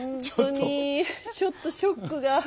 ほんとにちょっとショックが。